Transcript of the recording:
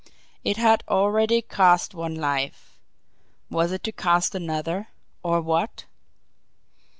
It had already cost one life; was it to cost another or what?